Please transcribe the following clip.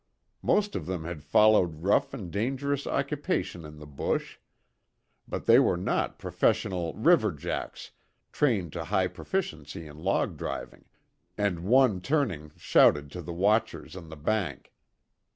Most of them had followed rough and dangerous occupation in the bush; but they were not professional river Jacks trained to high proficiency in log driving, and one turning shouted to the watchers on the bank.